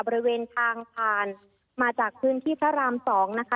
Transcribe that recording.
บริเวณทางผ่านมาจากพื้นที่พระราม๒นะคะ